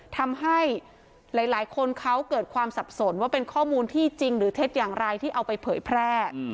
ทำให้หลายคนเขาเกิดความสับสนว่าเป็นข้อมูลที่จริงหรือเท็จอย่างไรที่เอาไปเผยแพร่